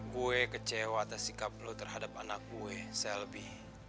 gue kecewa atas sikap lo terhadap anak gue selbi